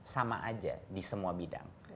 sama aja di semua bidang